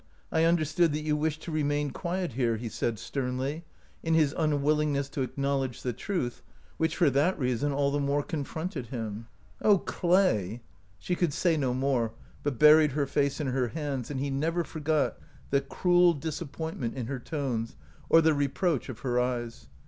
I understood that you wished to remain quiet here," he said, sternly , in his unwillingness to acknowledge the truth, which for that reason all the more con fronted him. "O Clay!" She could say no more, but buried her face in her hands, and he never forgot the cruel disappointment in her tones or the reproach of her eyes.